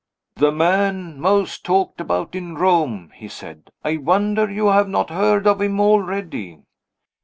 "The man most talked about in Rome," he said; "I wonder you have not heard of him already."